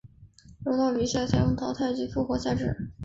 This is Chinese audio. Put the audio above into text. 柔道比赛采用淘汰及复活赛制。